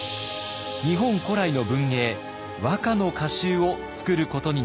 日本古来の文芸和歌の歌集を作ることになったのです。